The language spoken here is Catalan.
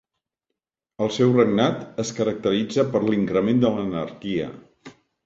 El seu regnat es caracteritza per l'increment de l'anarquia.